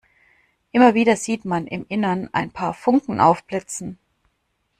Immer wieder sieht man im Innern ein paar Funken aufblitzen.